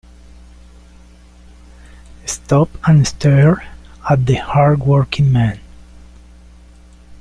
Stop and stare at the hard working man.